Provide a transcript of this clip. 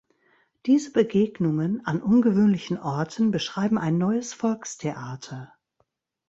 Diese Begegnungen an ungewöhnlichen Orten beschreiben ein neues Volkstheater.